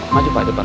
maju pak depan